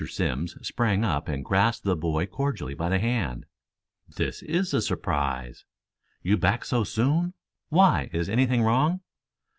Simms sprang up and grasped the boy cordially by the hand. "This is a surprise. You back so soon? Why, is anything wrong!"